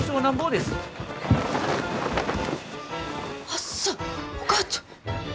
はっさお母ちゃん。